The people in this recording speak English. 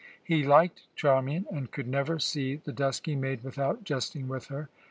He liked Charmian, and could never see the dusky maid without jesting with her.